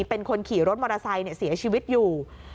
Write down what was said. เป็นคนขี่รถมอเตอร์ไซค์เสียชีวิตอยู่